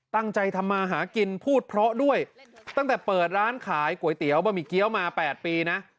ตั้งใจทำมาหากินพูดเพราะด้วยตั้งแต่เปิดร้านขายก๋วยเตี๋ยวบะหมี่เกี้ยวมา๘ปีนะ